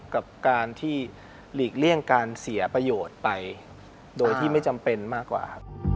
กับการที่หลีกเลี่ยงการเสียประโยชน์ไปโดยที่ไม่จำเป็นมากกว่าครับ